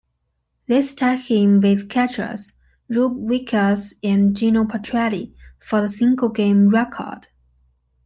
This tied him with catchers Rube Vickers and Geno Petralli for the single-game record.